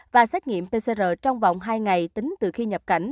và xét nghiệm pcr trong vòng hai ngày tính từ khi nhập cảnh